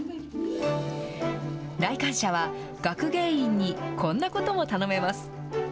来館者は、学芸員にこんなことも頼めます。